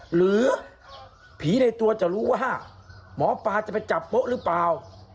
หรือผีในตัวจะรู้ว่าหมอปลาจะไปจับโป๊ะหรือเปล่า